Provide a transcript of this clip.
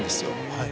はい。